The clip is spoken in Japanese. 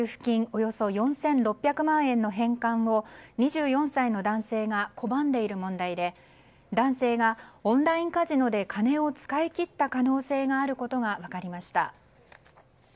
およそ４６００万円の返還を２４歳の男性が拒んでいる問題で男性がオンラインカジノで金を使いきった可能性があることが分かりました。